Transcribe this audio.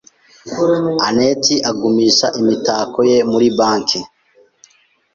anet agumisha imitako ye muri banki.